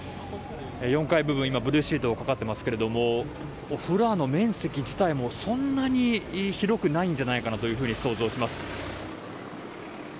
４階部分ブルーシートがかかっていますがフロアの面積自体もそんなに広くないんじゃないかなというふうに想像します。